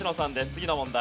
次の問題。